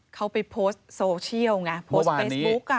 เขาไปโพสต์โซเชียลไงโพสต์เฟซบุ๊ก